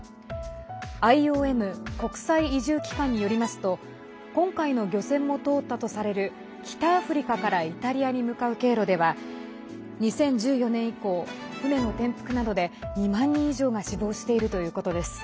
ＩＯＭ＝国際移住機関によりますと今回の漁船も通ったとされる北アフリカからイタリアに向かう経路では２０１４年以降、船の転覆などで２万人以上が死亡しているということです。